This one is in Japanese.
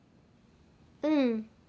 うん。